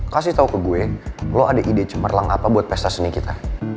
kasih tahu ke gue lo ada ide cemerlang apa buat pesta seni kita